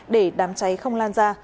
để đám cháy không lan ra